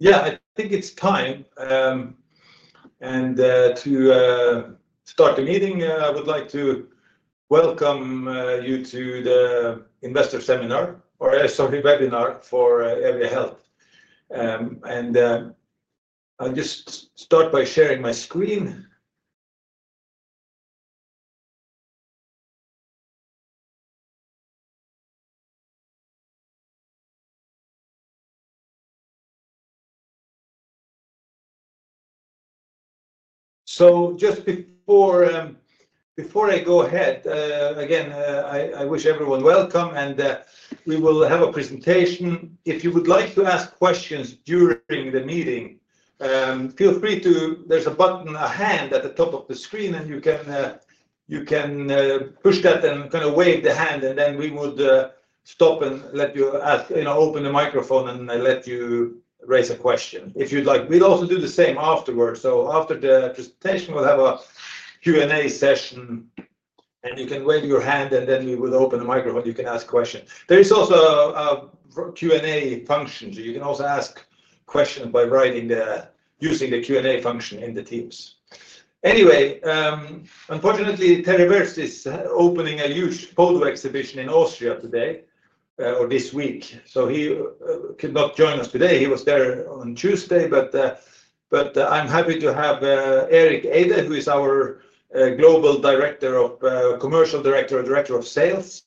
Yeah, I think it's time. To start the meeting, I would like to welcome you to the investor seminar, sorry, webinar, for Eevia Health. I'll just start by sharing my screen. Just before I go ahead, again, I wish everyone welcome, and we will have a presentation. If you would like to ask questions during the meeting, feel free to—there's a button, a hand at the top of the screen, and you can push that and kind of wave the hand, and then we would stop and let you ask—open the microphone and let you raise a question if you'd like. We'll also do the same afterwards. After the presentation, we'll have a Q&A session, and you can wave your hand, and then we will open the microphone. You can ask questions. There is also a Q&A function, so you can also ask questions by writing using the Q&A function in Teams. Anyway, unfortunately, Terry Virts is opening a huge photo exhibition in Austria today or this week, so he could not join us today. He was there on Tuesday, but I'm happy to have Erik Eide, who is our global commercial director and director of sales,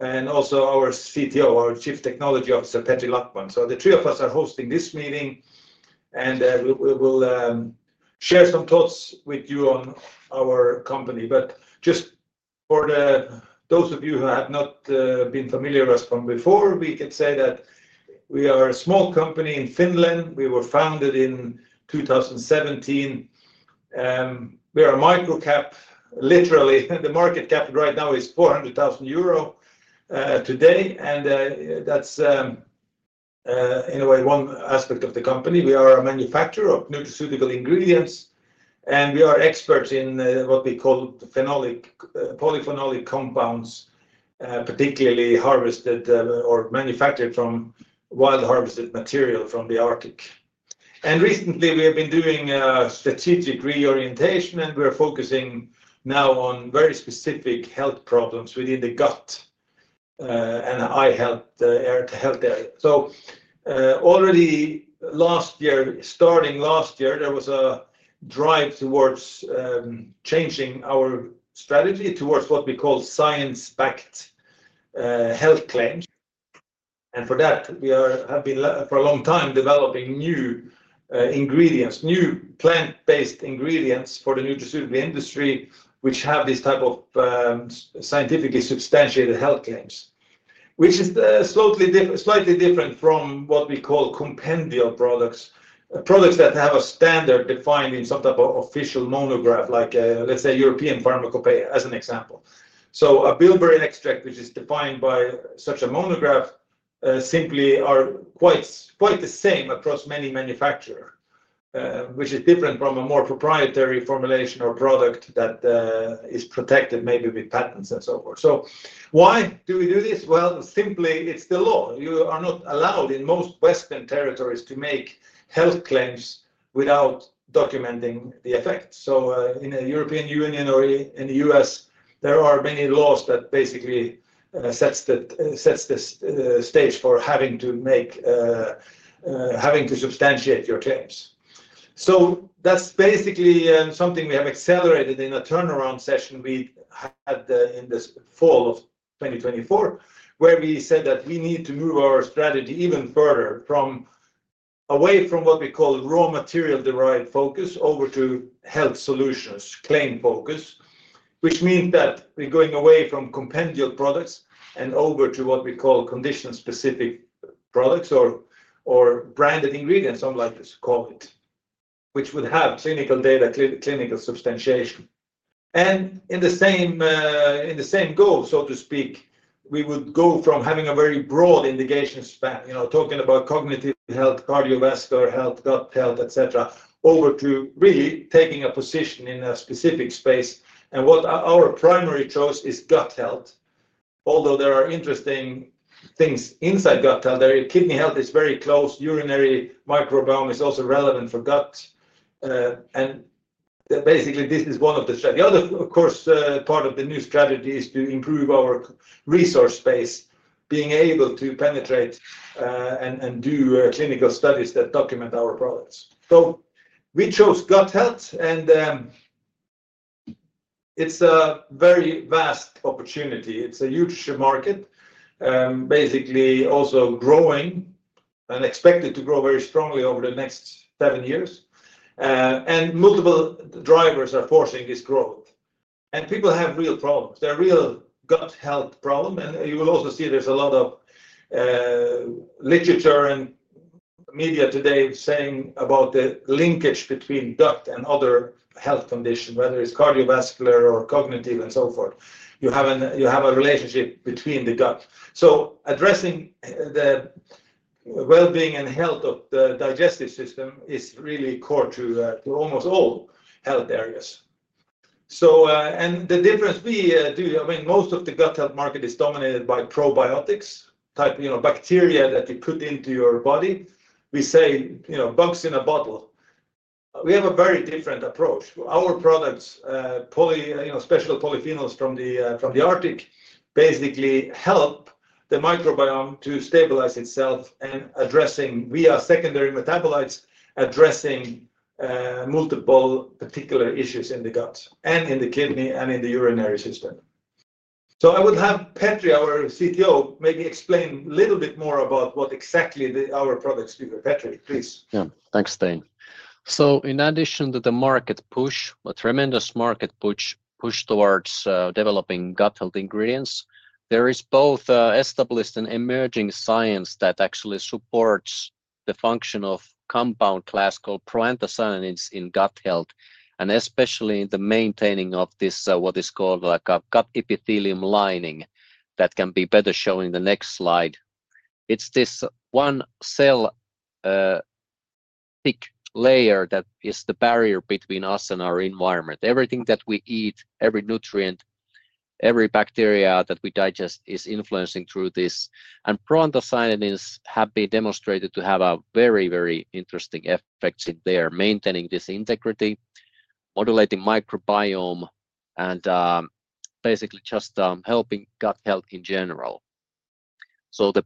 and also our CTO, our Chief Technology Officer, Petri Lackman. The three of us are hosting this meeting, and we will share some thoughts with you on our company. Just for those of you who have not been familiar with us from before, we could say that we are a small company in Finland. We were founded in 2017. We are a micro cap, literally. The market cap right now is 400,000 euro today, and that's, in a way, one aspect of the company. We are a manufacturer of nutraceutical ingredients, and we are experts in what we call polyphenolic compounds, particularly harvested or manufactured from wild harvested material from the Arctic. Recently, we have been doing strategic reorientation, and we're focusing now on very specific health problems within the gut and eye health, heart health. Already last year, starting last year, there was a drive towards changing our strategy towards what we call science-backed health claims. For that, we have been for a long time developing new ingredients, new plant-based ingredients for the nutraceutical industry, which have this type of scientifically substantiated health claims, which is slightly different from what we call compendial products, products that have a standard defined in some type of official monograph, like, let's say, European Pharmacopeia, as an example. A bilberry extract, which is defined by such a monograph, simply are quite the same across many manufacturers, which is different from a more proprietary formulation or product that is protected maybe with patents and so forth. Why do we do this? Simply, it's the law. You are not allowed in most Western territories to make health claims without documenting the effect. In the European Union or in the U.S., there are many laws that basically set the stage for having to substantiate your claims. That's basically something we have accelerated in a turnaround session we had in the fall of 2024, where we said that we need to move our strategy even further away from what we call raw material-derived focus over to health solutions, claim focus, which means that we're going away from compendial products and over to what we call condition-specific products or branded ingredients, some like to call it, which would have clinical data, clinical substantiation. In the same goal, so to speak, we would go from having a very broad indication span, talking about cognitive health, cardiovascular health, gut health, etc., over to really taking a position in a specific space. What our primary choice is gut health, although there are interesting things inside gut health. Kidney health is very close. Urinary microbiome is also relevant for gut. Basically, this is one of the strategies. The other, of course, part of the new strategy is to improve our resource space, being able to penetrate and do clinical studies that document our products. We chose gut health, and it's a very vast opportunity. It's a huge market, basically also growing and expected to grow very strongly over the next seven years. Multiple drivers are forcing this growth. People have real problems. There are real gut health problems. You will also see there's a lot of literature and media today saying about the linkage between gut and other health conditions, whether it's cardiovascular or cognitive and so forth. You have a relationship between the gut. Addressing the well-being and health of the digestive system is really core to almost all health areas. The difference we do, I mean, most of the gut health market is dominated by probiotics, type bacteria that you put into your body. We say bugs in a bottle. We have a very different approach. Our products, special polyphenols from the Arctic, basically help the microbiome to stabilize itself and addressing, via secondary metabolites, addressing multiple particular issues in the gut and in the kidney and in the urinary system. I would have Petri, our CTO, maybe explain a little bit more about what exactly our products do. Petri, please. Yeah. Thanks, Stein. In addition to the market push, a tremendous market push towards developing gut health ingredients, there is both established and emerging science that actually supports the function of a compound class called Proanthocyanidins in gut health, and especially in the maintaining of this, what is called a gut epithelium lining that can be better shown in the next slide. It is this one cell thick layer that is the barrier between us and our environment. Everything that we eat, every nutrient, every bacteria that we digest is influencing through this. Proanthocyanidins have been demonstrated to have a very, very interesting effect in there, maintaining this integrity, modulating microbiome, and basically just helping gut health in general. The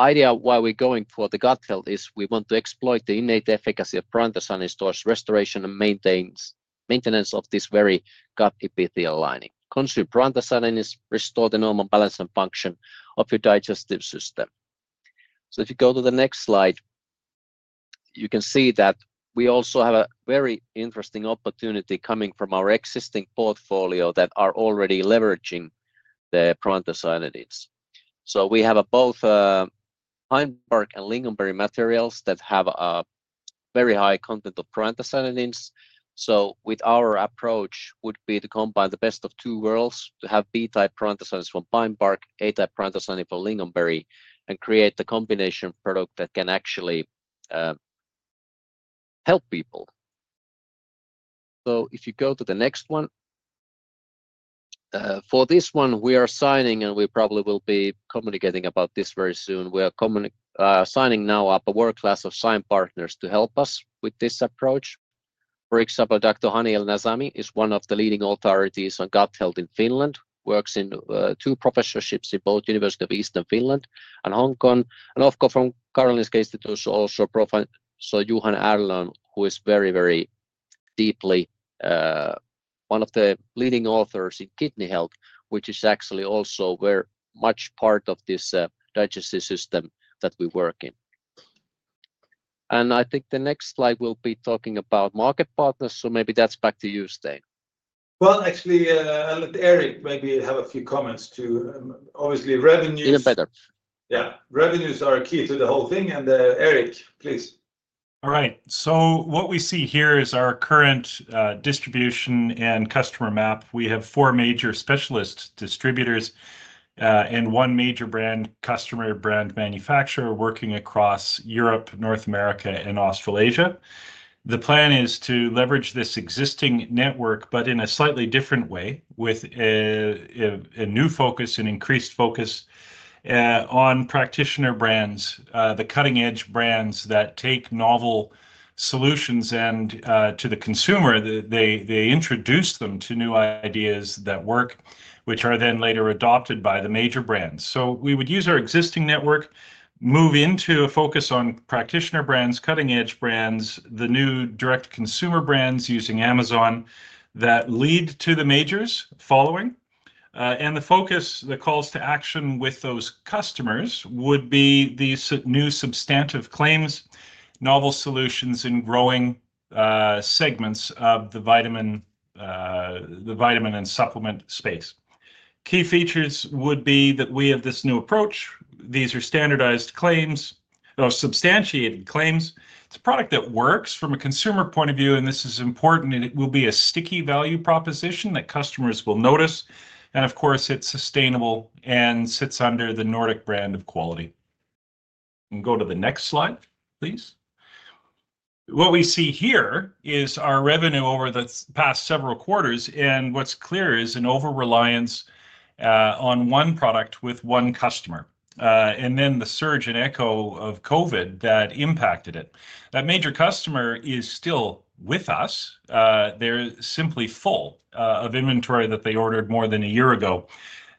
idea of why we are going for the gut health is we want to exploit the innate efficacy of Proanthocyanidins towards restoration and maintenance of this very gut epithelial lining. Consume Proanthocyanidins, restore the normal balance and function of your digestive system. If you go to the next slide, you can see that we also have a very interesting opportunity coming from our existing portfolio that are already leveraging the Proanthocyanidins. We have both crowberry and lingonberry materials that have a very high content of Proanthocyanidins. Our approach would be to combine the best of two worlds, to have B-type Proanthocyanidins from crowberry, A-type Proanthocyanidins from lingonberry, and create the combination product that can actually help people. If you go to the next one, for this one, we are signing, and we probably will be communicating about this very soon. We are signing now up a world-class of sign partners to help us with this approach. For example, Dr. Hani El-Nezami is one of the leading authorities on gut health in Finland, works in two professorships in both the University of Eastern Finland and Hong Kong. Of course, from Karolinska Institutet, also Professor Johan Arnlöv, who is very, very deeply one of the leading authors in kidney health, which is actually also very much part of this digestive system that we work in. I think the next slide will be talking about market partners. Maybe that's back to you, Stein. Actually, Erik, maybe have a few comments too. Obviously, revenues. Even better. Yeah. Revenues are key to the whole thing. Erik, please. All right. What we see here is our current distribution and customer map. We have four major specialist distributors and one major brand customer brand manufacturer working across Europe, North America, and Australasia. The plan is to leverage this existing network, but in a slightly different way, with a new focus and increased focus on practitioner brands, the cutting-edge brands that take novel solutions to the consumer. They introduce them to new ideas that work, which are then later adopted by the major brands. We would use our existing network, move into a focus on practitioner brands, cutting-edge brands, the new direct consumer brands using Amazon that lead to the majors following. The focus, the calls to action with those customers would be these new substantive claims, novel solutions in growing segments of the vitamin and supplement space. Key features would be that we have this new approach. These are standardized claims or substantiated claims. It's a product that works from a consumer point of view, and this is important. It will be a sticky value proposition that customers will notice. It is sustainable and sits under the Nordic brand of quality. Go to the next slide, please. What we see here is our revenue over the past several quarters. What is clear is an over-reliance on one product with one customer, and then the surge and echo of COVID that impacted it. That major customer is still with us. They are simply full of inventory that they ordered more than a year ago.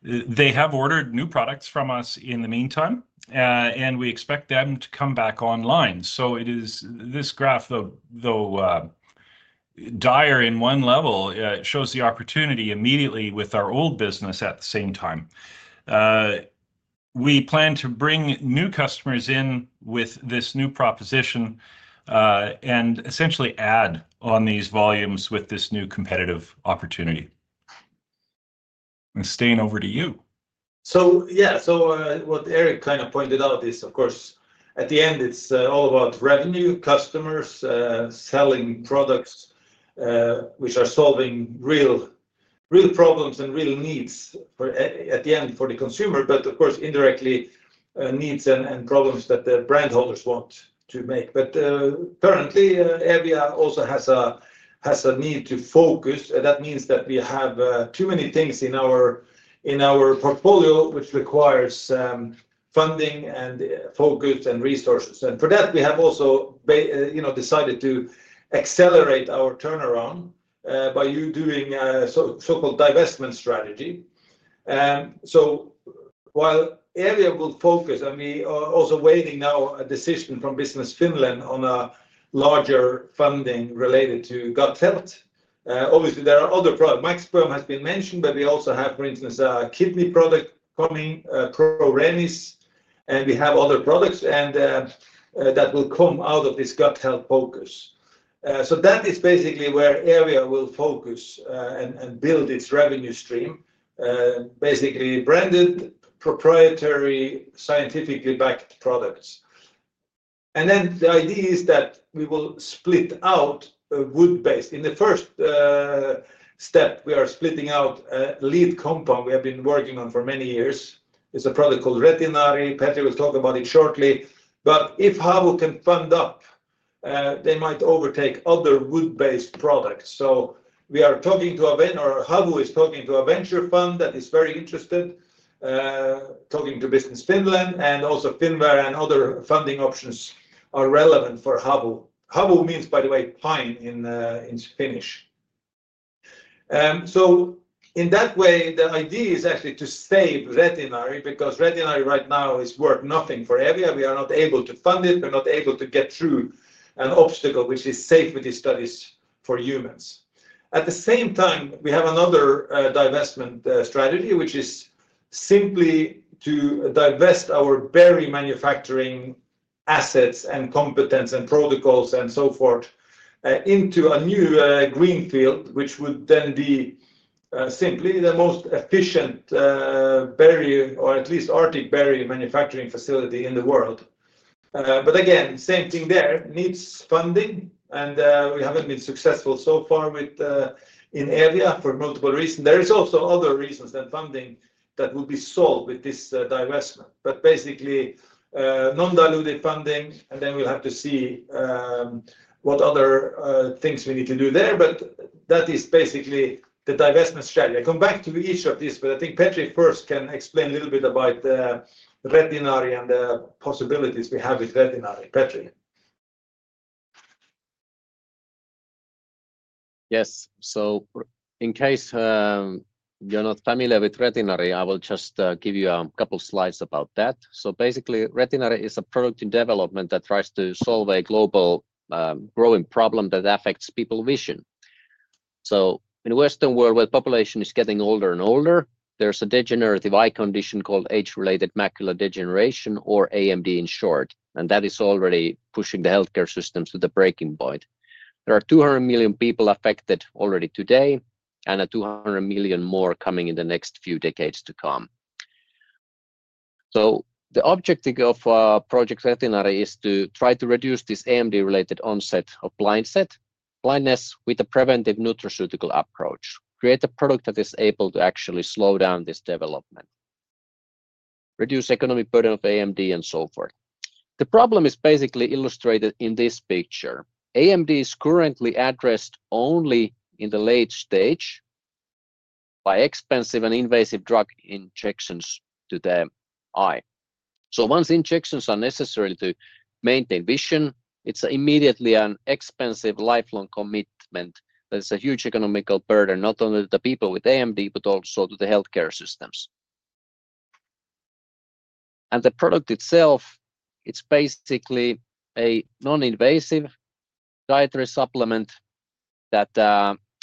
They have ordered new products from us in the meantime, and we expect them to come back online. This graph, though dire in one level, shows the opportunity immediately with our old business at the same time. We plan to bring new customers in with this new proposition and essentially add on these volumes with this new competitive opportunity. Stein, over to you. Yeah, what Erik kind of pointed out is, of course, at the end, it's all about revenue, customers, selling products which are solving real problems and real needs at the end for the consumer, but, of course, indirectly needs and problems that the brand holders want to make. Currently, Eevia also has a need to focus. That means that we have too many things in our portfolio, which requires funding and focus and resources. For that, we have also decided to accelerate our turnaround by doing a so-called divestment strategy. While Eevia will focus, we are also waiting now for a decision from Business Finland on a larger funding related to gut health. Obviously, there are other products. Microbiome has been mentioned, but we also have, for instance, a kidney product coming, ProRemis, and we have other products that will come out of this gut health focus. That is basically where Eevia will focus and build its revenue stream, basically branded, proprietary, scientifically backed products. The idea is that we will split out a wood-based. In the first step, we are splitting out a lead compound we have been working on for many years. It's a product called Retinari. Petri will talk about it shortly. If Havu can fund up, they might overtake other wood-based products. We are talking to a venture, or Havu is talking to a venture fund that is very interested, talking to Business Finland, and also Finnvera and other funding options are relevant for Havu. Havu means, by the way, pine in Finnish. In that way, the idea is actually to save Retinari because Retinari right now is worth nothing for Eevia. We are not able to fund it. We're not able to get through an obstacle, which is safety studies for humans. At the same time, we have another divestment strategy, which is simply to divest our berry manufacturing assets and competence and protocols and so forth into a new greenfield, which would then be simply the most efficient berry, or at least Arctic berry manufacturing facility in the world. Again, same thing there, needs funding, and we haven't been successful so far in Eevia for multiple reasons. There are also other reasons than funding that will be solved with this divestment, but basically non-dilutive funding, and then we'll have to see what other things we need to do there. That is basically the divestment strategy. I come back to each of these, but I think Petri first can explain a little bit about Retinari and the possibilities we have with Retinari. Petri. Yes. In case you're not familiar with Retinari, I will just give you a couple of slides about that. Basically, Retinari is a product in development that tries to solve a global growing problem that affects people's vision. In the Western world, where the population is getting older and older, there's a degenerative eye condition called age-related macular degeneration, or AMD in short, and that is already pushing the healthcare system to the breaking point. There are 200 million people affected already today, and 200 million more coming in the next few decades to come. The objective of Project Retinari is to try to reduce this AMD-related onset of blindness with a preventive nutraceutical approach, create a product that is able to actually slow down this development, reduce the economic burden of AMD, and so forth. The problem is basically illustrated in this picture. AMD is currently addressed only in the late stage by expensive and invasive drug injections to the eye. Once injections are necessary to maintain vision, it's immediately an expensive lifelong commitment that is a huge economical burden, not only to the people with AMD, but also to the healthcare systems. The product itself, it's basically a non-invasive dietary supplement that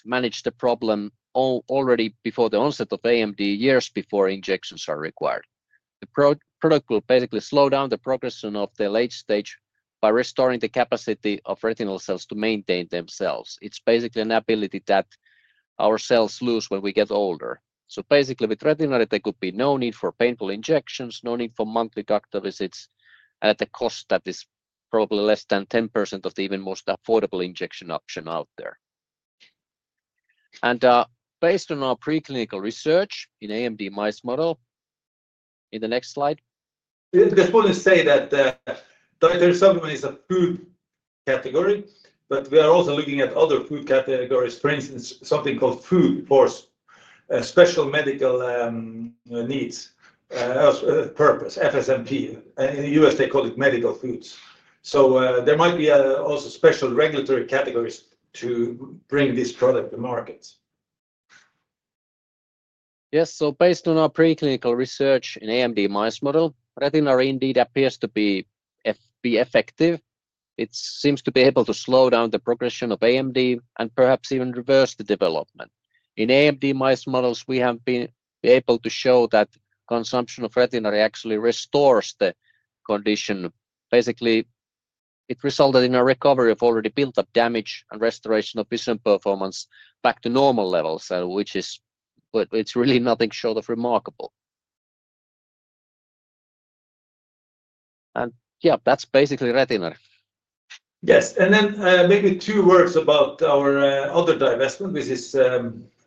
manages the problem already before the onset of AMD, years before injections are required. The product will basically slow down the progression of the late stage by restoring the capacity of retinal cells to maintain themselves. It's basically an ability that our cells lose when we get older. With Retinari, there could be no need for painful injections, no need for monthly doctor visits, at a cost that is probably less than 10% of the even most affordable injection option out there. Based on our preclinical research in AMD mice model, in the next slide. I just want to say that dietary supplement is a food category, but we are also looking at other food categories, for instance, something called food for special medical purposes, FSMP. In the U.S., they call it medical foods. There might be also special regulatory categories to bring this product to market. Yes. Based on our preclinical research in AMD mice model, Retinari indeed appears to be effective. It seems to be able to slow down the progression of AMD and perhaps even reverse the development. In AMD mice models, we have been able to show that consumption of Retinari actually restores the condition. Basically, it resulted in a recovery of already built-up damage and restoration of vision performance back to normal levels, which is really nothing short of remarkable. Yeah, that's basically Retinari. Yes. Maybe two words about our other divestment, which is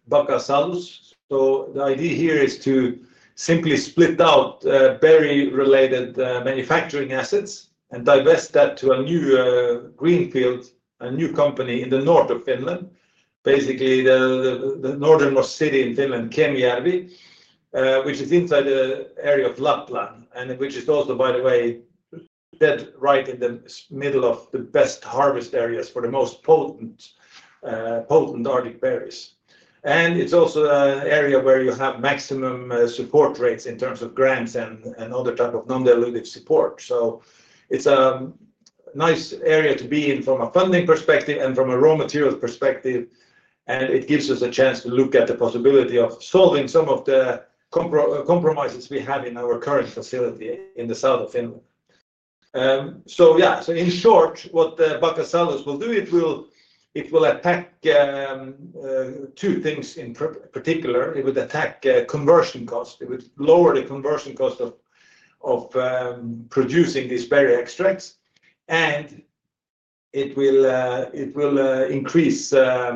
Bacca Salus. The idea here is to simply split out berry-related manufacturing assets and divest that to a new greenfield, a new company in the north of Finland, basically the northernmost city in Finland, Kemijärvi, which is inside the area of Lapland, and which is also, by the way, dead right in the middle of the best harvest areas for the most potent Arctic berries. It is also an area where you have maximum support rates in terms of grants and other types of non-dilutive support. It is a nice area to be in from a funding perspective and from a raw materials perspective. It gives us a chance to look at the possibility of solving some of the compromises we have in our current facility in the south of Finland. Yeah, in short, what Bacca Salus will do, it will attack two things in particular. It would attack conversion cost. It would lower the conversion cost of producing these berry extracts. It will increase the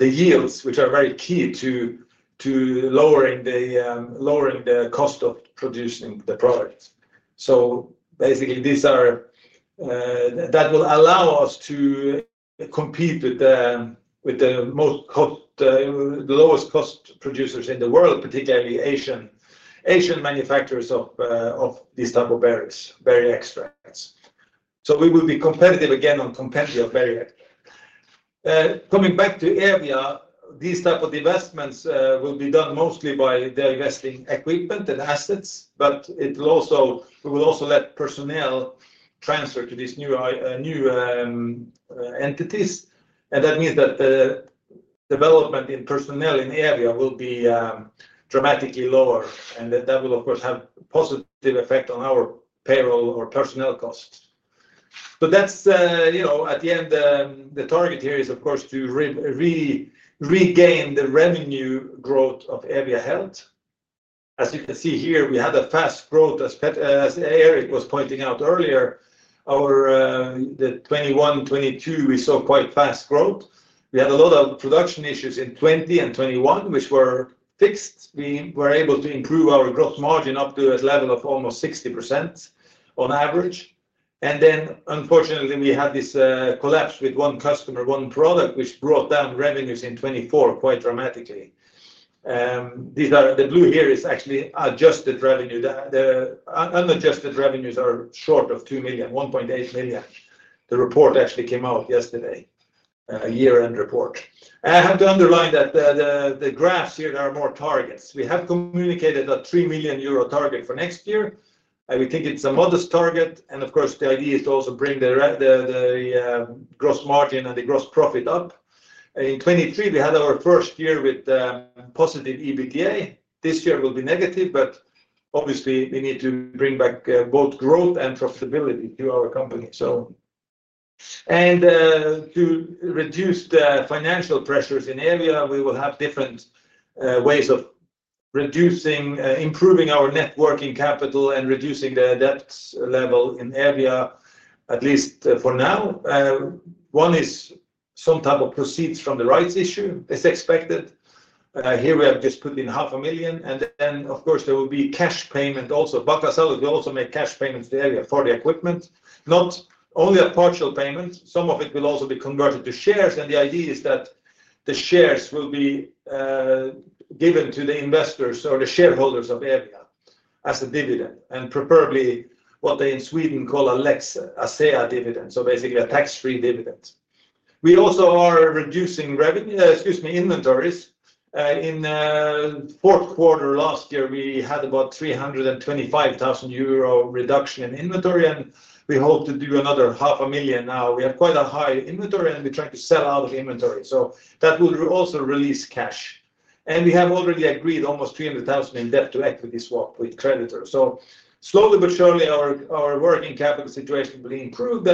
yields, which are very key to lowering the cost of producing the products. Basically, that will allow us to compete with the lowest cost producers in the world, particularly Asian manufacturers of these types of berry extracts. We will be competitive again on competitive berry extracts. Coming back to Eevia, these types of divestments will be done mostly by divesting equipment and assets, but we will also let personnel transfer to these new entities. That means that the development in personnel in Eevia will be dramatically lower. That will, of course, have a positive effect on our payroll or personnel costs. At the end, the target here is, of course, to regain the revenue growth of Eevia Health. As you can see here, we had a fast growth, as Erik was pointing out earlier. In 2021, 2022, we saw quite fast growth. We had a lot of production issues in 2020 and 2021, which were fixed. We were able to improve our gross margin up to a level of almost 60% on average. Unfortunately, we had this collapse with one customer, one product, which brought down revenues in 2024 quite dramatically. The blue here is actually adjusted revenue. The unadjusted revenues are short of 2 million, 1.8 million. The report actually came out yesterday, a year-end report. I have to underline that the graphs here are more targets. We have communicated a 3 million euro target for next year. We think it's a modest target. Of course, the idea is to also bring the gross margin and the gross profit up. In 2023, we had our first year with positive EBITDA. This year will be negative, but obviously, we need to bring back both growth and profitability to our company. To reduce the financial pressures in Eevia, we will have different ways of improving our networking capital and reducing the debt level in Eevia, at least for now. One is some type of proceeds from the rights issue, as expected. Here we have just put in 500,000. There will be cash payment also. Bacca Salus will also make cash payments to Eevia for the equipment, not only a partial payment. Some of it will also be converted to shares. The idea is that the shares will be given to the investors or the shareholders of Eevia as a dividend, and preferably what they in Sweden call a Lex Asea dividend, so basically a tax-free dividend. We also are reducing inventories. In the fourth quarter last year, we had about 325,000 euro reduction in inventory, and we hope to do another 500,000 now. We have quite a high inventory, and we're trying to sell out of inventory. That will also release cash. We have already agreed almost 300,000 in debt-to-equity swap with creditors. Slowly but surely, our working capital situation will improve.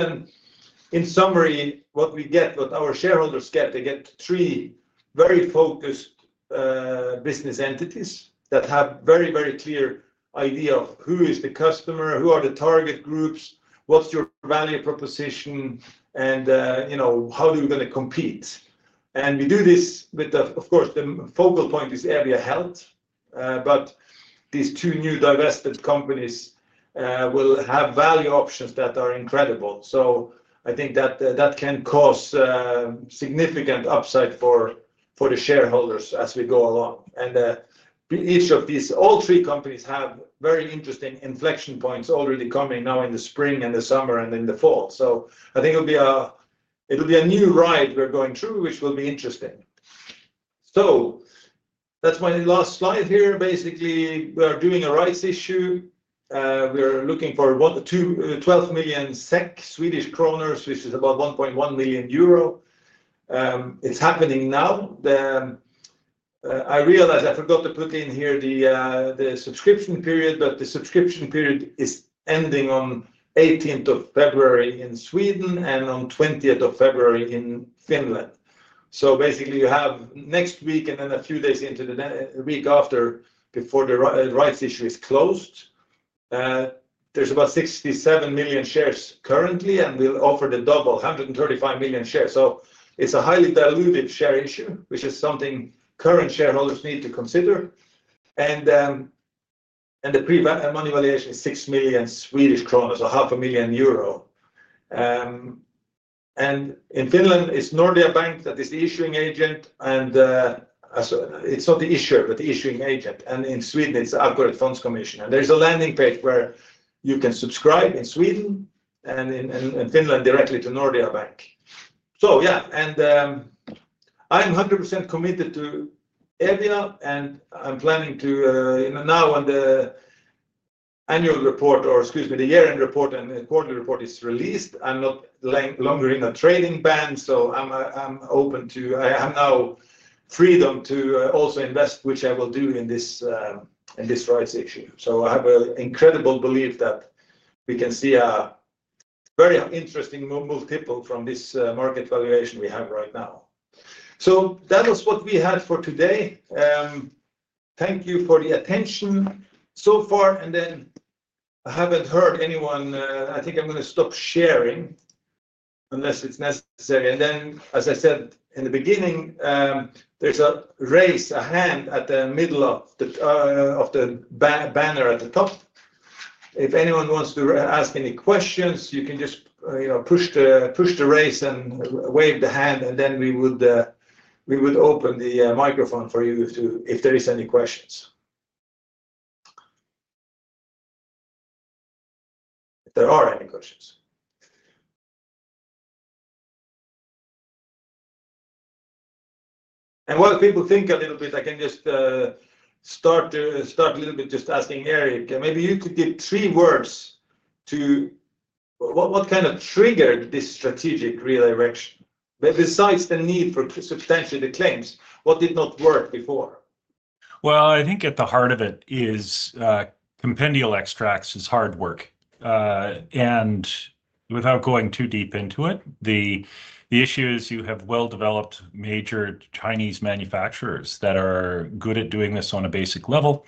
In summary, what we get, what our shareholders get, they get three very focused business entities that have a very, very clear idea of who is the customer, who are the target groups, what is your value proposition, and how are we going to compete. We do this with, of course, the focal point being Eevia Health, but these two new divested companies will have value options that are incredible. I think that can cause significant upside for the shareholders as we go along. Each of these, all three companies, have very interesting inflection points already coming now in the spring and the summer and in the fall. I think it will be a new ride we are going through, which will be interesting. That is my last slide here. Basically, we are doing a rights issue. We are looking for 12 million SEK, Swedish krona, which is about 1.1 million euro. It's happening now. I realized I forgot to put in here the subscription period, but the subscription period is ending on 18th of February in Sweden and on 20th of February in Finland. Basically, you have next week and then a few days into the week after before the rights issue is closed. There's about 67 million shares currently, and we'll offer the double, 135 million shares. It's a highly diluted share issue, which is something current shareholders need to consider. The money valuation is SEK 6 million, so EUR 500,000. In Finland, it's Nordea Bank that is the issuing agent. It's not the issuer, but the issuing agent. In Sweden, it's the Aqurat Fondkommission. There's a landing page where you can subscribe in Sweden and in Finland directly to Nordea Bank. Yeah, and I'm 100% committed to Eevia, and I'm planning to now when the annual report, or excuse me, the year-end report and the quarterly report is released, I'm not longer in a trading ban. I'm open to, I have now freedom to also invest, which I will do in this rights issue. I have an incredible belief that we can see a very interesting multiple from this market valuation we have right now. That was what we had for today. Thank you for the attention so far. I haven't heard anyone. I think I'm going to stop sharing unless it's necessary. As I said in the beginning, there's a raise, a hand at the middle of the banner at the top. If anyone wants to ask any questions, you can just push the raise and wave the hand, and then we would open the microphone for you if there are any questions. While people think a little bit, I can just start a little bit just asking Erik, maybe you could give three words to what kind of triggered this strategic redirection besides the need for substantially the claims? What did not work before? I think at the heart of it is compendial extracts is hard work. Without going too deep into it, the issue is you have well-developed major Chinese manufacturers that are good at doing this on a basic level.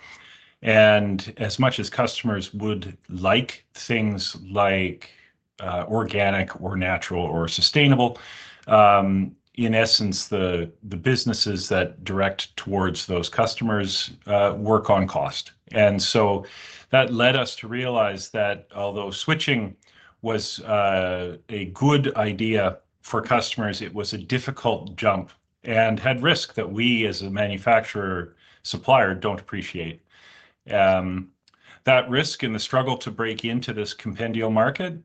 As much as customers would like things like organic or natural or sustainable, in essence, the businesses that direct towards those customers work on cost. That led us to realize that although switching was a good idea for customers, it was a difficult jump and had risk that we as a manufacturer supplier do not appreciate. That risk and the struggle to break into this compendial market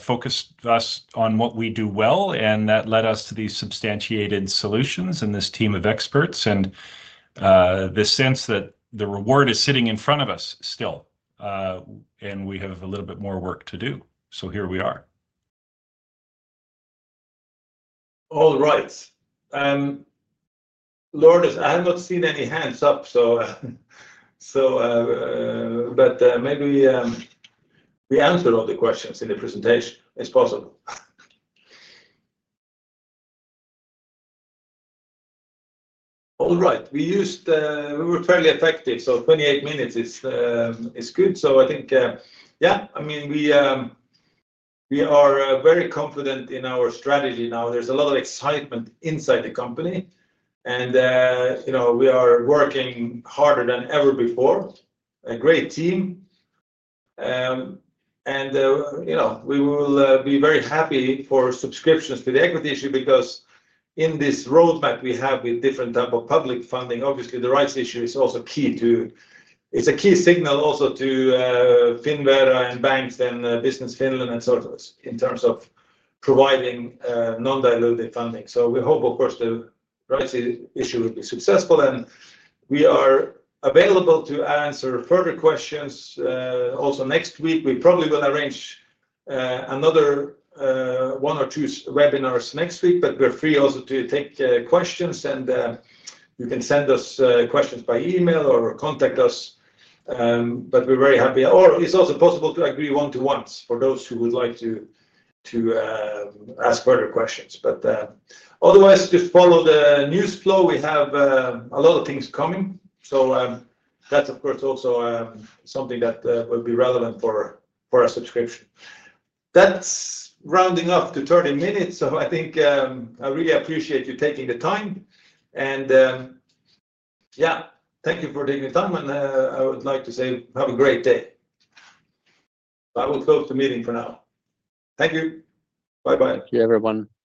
focused us on what we do well, and that led us to these substantiated solutions and this team of experts and the sense that the reward is sitting in front of us still, and we have a little bit more work to do. Here we are. All right. Lourdes, I have not seen any hands up, but maybe we answered all the questions in the presentation as possible. All right. We were fairly effective, so 28 minutes is good. I think, yeah, I mean, we are very confident in our strategy now. There is a lot of excitement inside the company, and we are working harder than ever before. A great team. We will be very happy for subscriptions to the equity issue because in this roadmap we have with different types of public funding, obviously, the rights issue is also key to, it is a key signal also to Finnvera and banks and Business Finland and so forth in terms of providing non-dilutive funding. We hope, of course, the rights issue will be successful, and we are available to answer further questions. Also next week, we probably will arrange another one or two webinars next week, but we're free also to take questions, and you can send us questions by email or contact us. We're very happy. It is also possible to agree one-to-ones for those who would like to ask further questions. Otherwise, just follow the news flow. We have a lot of things coming. That is, of course, also something that will be relevant for our subscription. That is rounding up to 30 minutes. I really appreciate you taking the time. Thank you for taking the time, and I would like to say have a great day. I will close the meeting for now. Thank you. Bye-bye. Thank you, everyone.